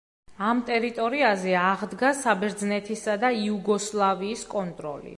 ამ ტერიტორიაზე აღდგა საბერძნეთისა და იუგოსლავიის კონტროლი.